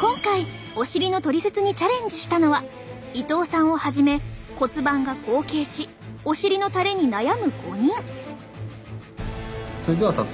今回お尻のトリセツにチャレンジしたのは伊藤さんをはじめ骨盤が後傾しお尻のたれに悩む５人。